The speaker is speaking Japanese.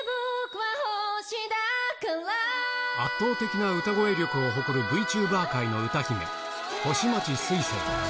圧倒的な歌声力を誇るＶｔｕｂｅｒ界の歌姫、星街すいせい。